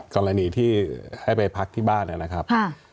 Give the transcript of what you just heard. กรณีที่ให้ไปพักที่บ้านนะครับ